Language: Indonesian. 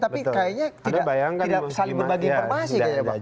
tapi kayaknya tidak sanggup bagi informasi